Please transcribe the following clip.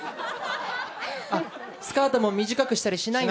あっスカートも短くしたりしないんだ。